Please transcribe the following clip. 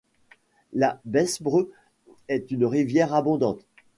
La Besbre est une rivière abondante.